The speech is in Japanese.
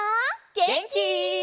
げんき？